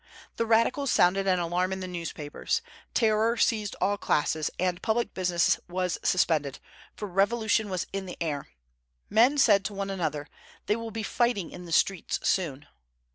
The radicals sounded the alarm in the newspapers. Terror seized all classes, and public business was suspended, for revolution was in the air Men said to one another, "They will be fighting in the streets soon."